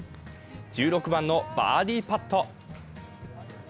１６番のバーディーパット。